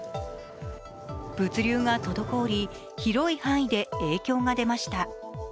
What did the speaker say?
物流が滞り、広い範囲で影響が出ました。